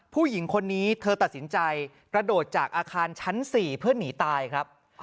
ผู้หญิงคนนี้เธอตัดสินใจกระโดดจากอาคารชั้น๔เพื่อหนีตายครับ